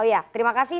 oh ya terima kasih